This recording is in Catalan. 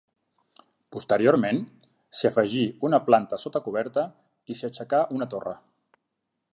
Posteriorment, s'hi afegí una planta sota coberta i s'hi aixecà una torre.